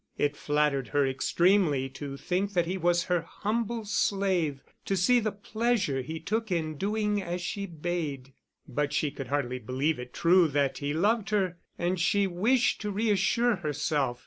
It flattered her extremely to think that he was her humble slave, to see the pleasure he took in doing as she bade; but she could hardly believe it true that he loved her, and she wished to reassure herself.